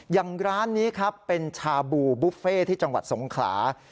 อย่างร้านนี้ครับเป็นชาบูบุฟเฟ่ที่จังหวัดสงขลา